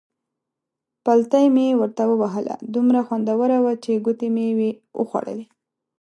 پلتۍ مې ورته ووهله، دومره خوندوره وه چې ګوتې مې وې خوړلې.